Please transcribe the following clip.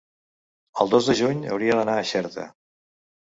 el dos de juny hauria d'anar a Xerta.